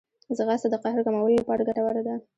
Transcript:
ځغاسته د قهر کمولو لپاره ګټوره ده